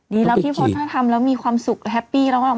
ดีแล้วพี่ฟ้าถ้าทำแล้วมีความสุขแฮปปี้แล้วอะ